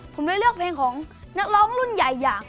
ผมเลยเลือกเพลงของนักร้องรุ่นใหญ่อย่าง